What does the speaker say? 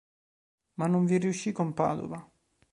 Ma non vi riuscì con Padova.